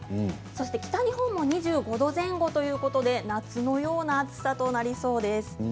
そして北日本も２５度前後ということで夏のような暑さとなりそうです。